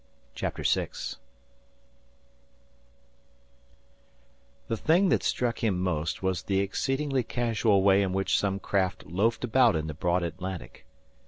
CHAPTER VI The thing that struck him most was the exceedingly casual way in which some craft loafed about the broad Atlantic.